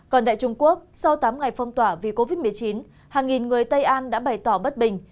còn tại trung quốc sau tám ngày phong tỏa vì covid một mươi chín hàng nghìn người tây an đã bày tỏ bất bình